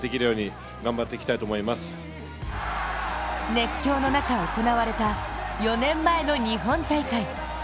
熱狂の中、行われた４年前の日本大会。